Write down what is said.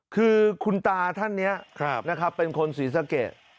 คือคุณตาท่านนี้นะครับเป็นคนศรีสะเกด